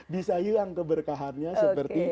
bisa hilang keberkahannya seperti